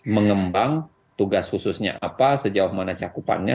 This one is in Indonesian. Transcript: mengembang tugas khususnya apa sejauh mana cakupannya